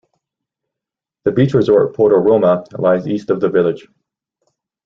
The beach resort Porto Roma lies east of the village.